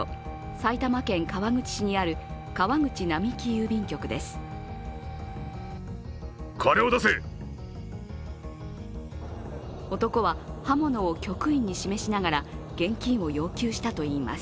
埼玉県川口市にある川口並木郵便局です。